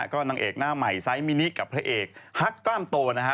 ก็นางเอกหน้าใหม่ไซส์มินิกับพระเอกฮักกล้ามโตนะฮะ